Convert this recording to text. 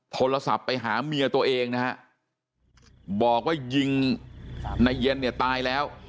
โทรศัพท์ไปหาเมียตัวเองนะฮะบอกว่ายิงนายเย็นเนี่ยตายแล้ว